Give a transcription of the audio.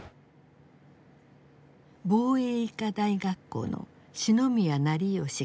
防衛医科大学校の四ノ宮成学校長。